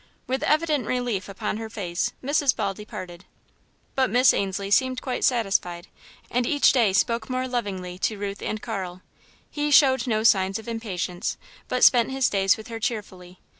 With evident relief upon her face, Mrs. Ball departed. But Miss Ainslie seemed quite satisfied, and each day spoke more lovingly to Ruth and Carl. He showed no signs of impatience, but spent his days with her cheerfully.